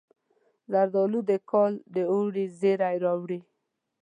زردالو د کال د اوړي زیری راوړي.